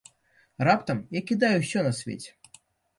Раптам я кідаю ўсё на свеце.